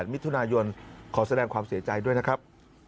มิถุนายนขอแสดงความเสียใจด้วยนะครับ